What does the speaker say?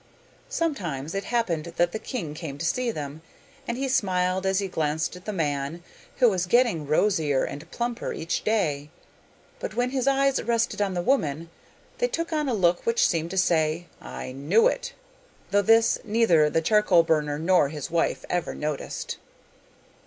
Sometimes it happened that the king came to see them, and he smiled as he glanced at the man, who was getting rosier and plumper each day. But when his eyes rested on the woman, they took on a look which seemed to say 'I knew it,' though this neither the charcoal burner nor his wife ever noticed.